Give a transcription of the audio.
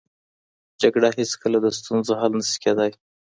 جګړه هېڅکله د ستونزو حل نه سي کېدای.